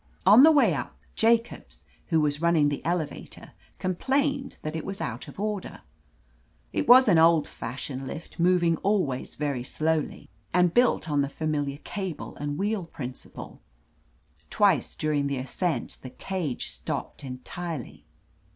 On the way up, Jacobs, who was running the elevator, complained that it was out of order. It was an old fasMoned lift, moving always very slowly, and built on the familiar cable and wheel principle. Twice during the ascent the cage stopped entirely.